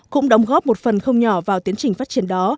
cũng đóng góp một phần không nhỏ vào tiến trình phát triển đó